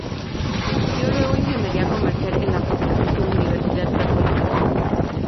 Estudió luego ingeniería comercial en la Pontificia Universidad Católica.